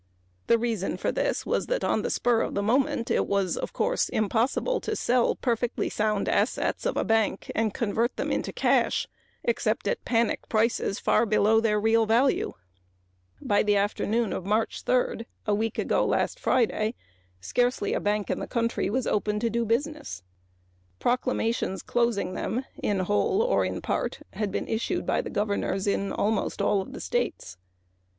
The reason for this was that on the spur of the moment it was, of course, impossible to sell perfectly sound assets of a bank and convert them into cash except at panic prices far below their real value. By the afternoon of March 3d scarcely a bank in the country was open to do business. Proclamations temporarily closing them in whole or in part had been issued by the governors in almost all the states.